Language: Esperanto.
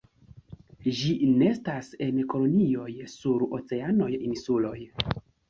Ĝi nestas en kolonioj sur oceanaj insuloj.